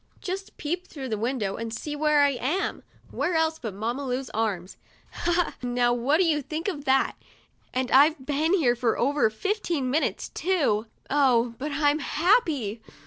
Just peep through the window, and see where I am ! Where else, but in Mamma Lu's arms ? Ha, ha! Now what do you think of that? And I've been here for over fifteen minutes, too. Oh, but I'm happy